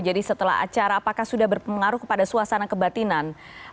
jadi setelah acara apakah sudah berpengaruh kepada suasana kebatinan